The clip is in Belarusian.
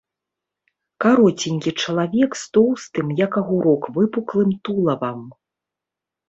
Кароценькі чалавек з тоўстым, як агурок, выпуклым тулавам.